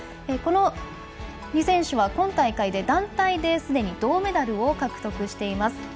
この２選手は今大会で団体ですでに銅メダルを獲得しています。